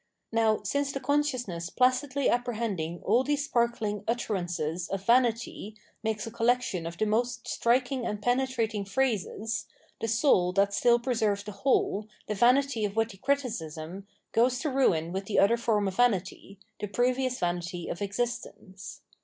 Now, since the consciousness placidly apprehending all these sparkling utterances of vanity makes a collection of the most striking and penetrating phrases, the soul that still preserves the whole, the vanity of witty criticism, goes to ruin wdth the other form of vanity, the previous vanity of existence.